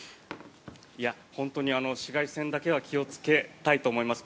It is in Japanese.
本当に紫外線だけは気をつけたいと思います。